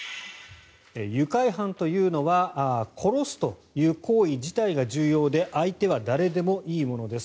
愉快犯というのは殺すという行為自体が重要で相手は誰でもいいものです